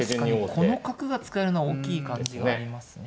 この角が使えるのは大きい感じがありますね。